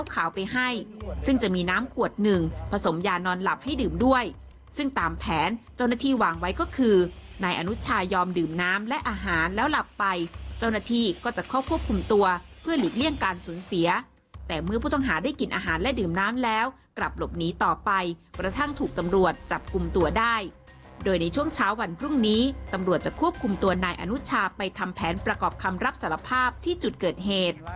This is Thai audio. คือนายอนุชายอมดื่มน้ำและอาหารแล้วหลับไปเจ้าหน้าที่ก็จะเข้าควบคุมตัวเพื่อหลีกเลี่ยงการสูญเสียแต่มือผู้ต้องหาได้กินอาหารและดื่มน้ำแล้วกลับหลบหนีต่อไปประทั่งถูกตำรวจจับคุมตัวได้โดยในช่วงเช้าวันพรุ่งนี้ตำรวจจะควบคุมตัวนายอนุชาไปทำแผนประกอบคำรับสารภาพที่จ